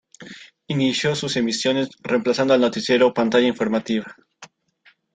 Inició sus emisiones reemplazando al noticiero "Pantalla informativa".